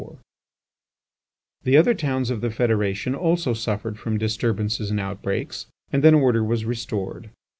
4 The other towns of the federation also suffered from disturbances and outbreaks, and then order was restored.